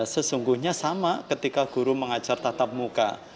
sesungguhnya sama ketika guru mengajar tatap muka